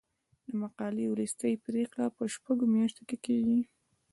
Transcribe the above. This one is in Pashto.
د مقالې وروستۍ پریکړه په شپږو میاشتو کې کیږي.